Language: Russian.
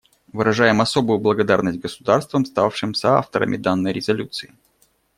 Выражаем особую благодарность государствам, ставшим соавторами данной резолюции.